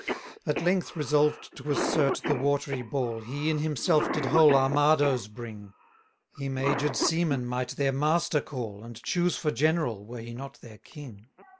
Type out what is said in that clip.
14 At length resolved to assert the watery ball, He in himself did whole Armadoes bring: Him aged seamen might their master call, And choose for general, were he not their king.